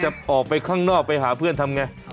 อยู่นี่หุ่นใดมาเพียบเลย